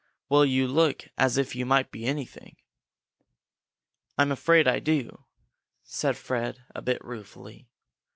Well, you look as if you might be anything!" "I'm afraid I do," said Fred, a bit ruefully.